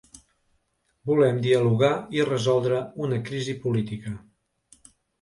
Volem dialogar i resoldre una crisi política.